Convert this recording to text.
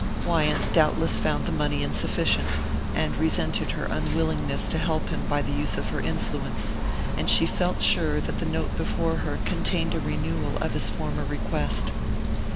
Wyant doubtless found the money insufficient, and resented her unwillingness to help him by the use of her influence; and she felt sure that the note before her contained a renewal of his former request.